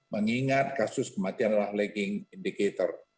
mengingat kasus kematian adalah lagging indicator